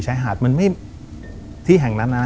ชายหาดมันไม่ที่แห่งนั้นนะ